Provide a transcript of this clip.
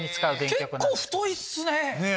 結構太いっすね！